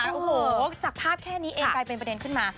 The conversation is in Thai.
โอ้โหจากภาพแค่นี้เองกลายเป็นประเด็นขึ้นมา